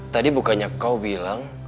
tadi bukannya kau bilang